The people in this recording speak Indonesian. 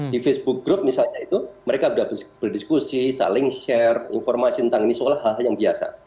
di facebook group misalnya itu mereka sudah berdiskusi saling share informasi tentang ini seolah hal yang biasa